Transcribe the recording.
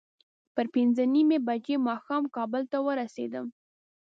پر پینځه نیمې بجې ماښام کابل ته ورسېدم.